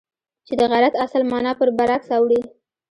چې د غیرت اصل مانا پر برعکس اوړي.